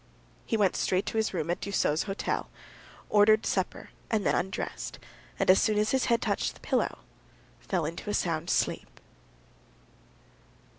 He went straight to his room at Dussots' Hotel, ordered supper, and then undressed, and as soon as his head touched the pillow, fell into a sound sleep.